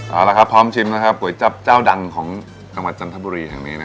เอาละครับพร้อมชิมก๋วยจั๊บเจ้าดังของจันทบูยแห่งนี้